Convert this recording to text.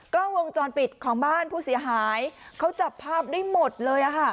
กล้องวงจรปิดของบ้านผู้เสียหายเขาจับภาพได้หมดเลย